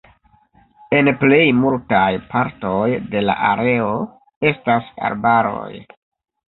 En plej multaj partoj de la areo estas arbaroj.